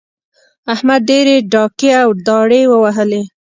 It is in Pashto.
احمد ډېرې ډاکې او داړې ووهلې.